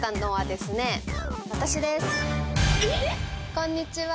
こんにちは